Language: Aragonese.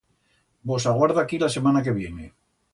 Vos aguardo aquí la semana que viene.